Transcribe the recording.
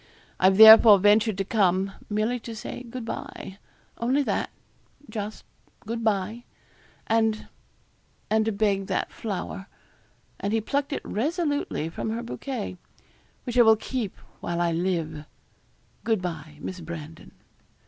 I've therefore ventured to come, merely to say good bye only that, just good bye. And and to beg that flower' and he plucked it resolutely from her bouquet 'which I will keep while I live. Good bye, Miss Brandon.'